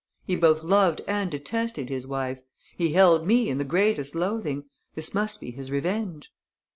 He both loved and detested his wife. He held me in the greatest loathing. This must be his revenge."